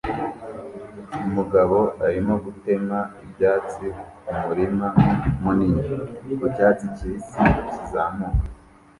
Umugabo arimo gutema ibyatsi kumurima munini ku cyatsi kibisi kizamuka